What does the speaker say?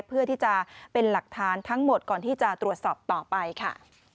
เพื่อที่จะเป็นหลักฐานทั้งหมดก่อนที่จะตรวจสอบต่อไปค่ะ